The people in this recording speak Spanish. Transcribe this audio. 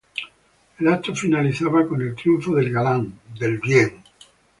El acto finalizaba con el triunfo del Galán, del bien.